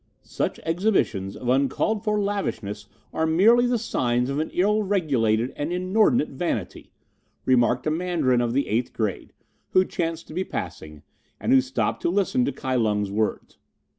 "Such exhibitions of uncalled for lavishness are merely the signs of an ill regulated and inordinate vanity," remarked a Mandarin of the eighth grade, who chanced to be passing, and who stopped to listen to Kai Lung's words.